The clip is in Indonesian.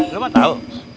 lu mah tau